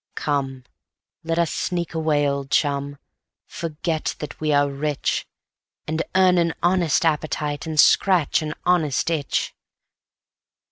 Come, let us sneak away, old chum; forget that we are rich, And earn an honest appetite, and scratch an honest itch.